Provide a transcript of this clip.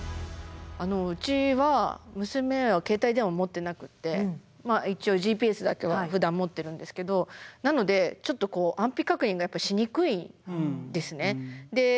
うちは娘は携帯電話持ってなくて一応ＧＰＳだけはふだん持ってるんですけどなのでちょっと安否確認がしにくいんですね。